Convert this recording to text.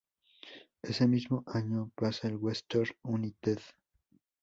Ese mismo año pasó al Western United.